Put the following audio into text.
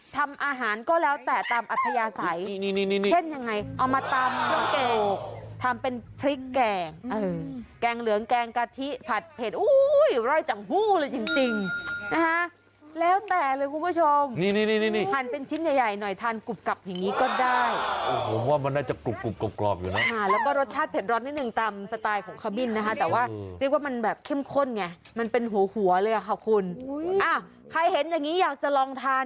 แต่ว่าอีกนิดเดียวขอเข้าสวยแล้วได้ไหม